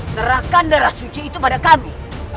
serahkan darah suci itu pada kami